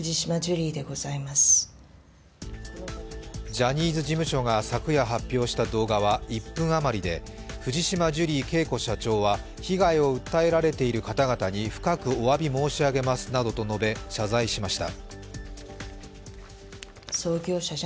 ジャニーズ事務所が昨夜発表した動画は１分余りで藤島ジュリー景子社長は被害を訴えられている方々に深くおわび申し上げますなどと述べ、謝罪しました。